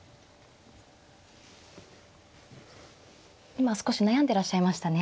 今少し悩んでいらっしゃいましたね。